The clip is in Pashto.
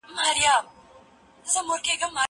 زه به ليک لوستی وي!؟